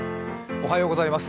おはようございます。